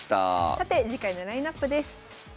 さて次回のラインナップです。